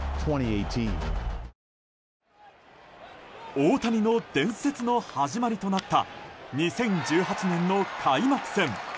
大谷の伝説の始まりとなった２０１８年の開幕戦。